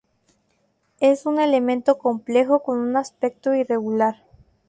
Es un elemento complejo, con un aspecto irregular.